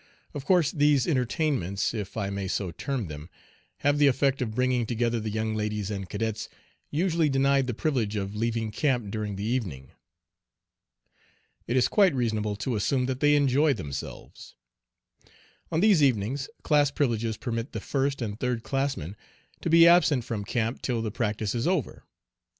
Of course these entertainments, if I may so term them, have the effect of bringing together the young ladies and cadets usually denied the privilege of leaving camp during the evening. It is quite reasonable to assume that they enjoy themselves. On these evenings "class privileges" permit the first and third classmen to be absent from camp till the practice is over.